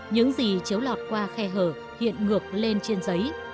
những gì chiếu lọt qua khe hở hiện ngược lên trên giấy